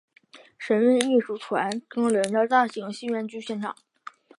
神韵艺术团登临的大型戏剧院。